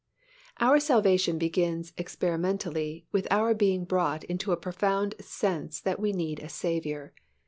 Our salvation begins experimentally with our being brought to a profound sense that we need a Saviour.